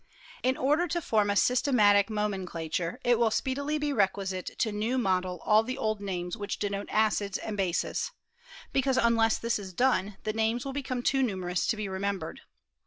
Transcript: In order to form a sys tematic momenclature it will speedily be requisite to new model all the old names which denote acids and bases ; because unless this is done the names will become too numerous to be remembered.